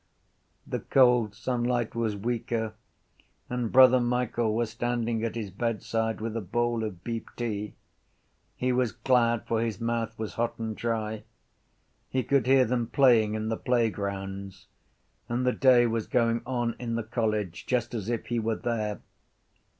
The cold sunlight was weaker and Brother Michael was standing at his bedside with a bowl of beeftea. He was glad for his mouth was hot and dry. He could hear them playing in the playgrounds. And the day was going on in the college just as if he were there.